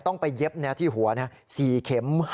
ต้องไปเย็บเนี่ยที่หัวเนี่ย๔เข็ม